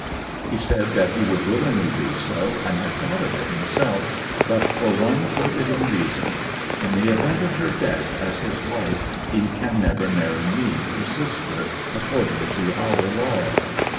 He said that he would willingly do so, and had thought of it himself; but for one forbidding reason: in the event of her death as his wife he can never marry me, her sister, according to our laws.